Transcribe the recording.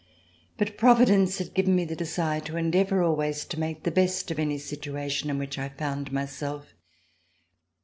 But Providence had given me the desire to endeavor always to make the best of any situation in which I found myself.